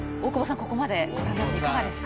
ここまでご覧になっていかがですか？